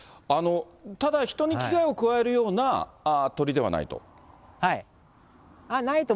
ただ、人に危害を加えるような鳥ではないと。